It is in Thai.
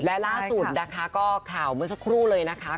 และล่าสุดนะคะก็ข่าวเมื่อสักครู่เลยนะคะ